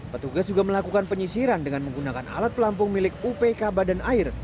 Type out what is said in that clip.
petugas juga melakukan penyisiran dengan menggunakan alat pelampung milik upk badan air